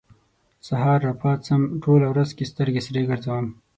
سهار راپاڅم، ټوله ورځ کې سترګې سرې ګرځوم